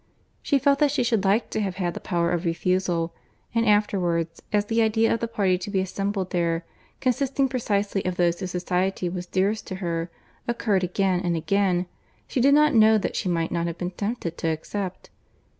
She felt that she should like to have had the power of refusal; and afterwards, as the idea of the party to be assembled there, consisting precisely of those whose society was dearest to her, occurred again and again, she did not know that she might not have been tempted to accept.